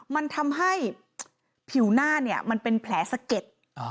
มันทำให้ผิวหน้าเนี่ยมันเป็นแผลสะเก็ด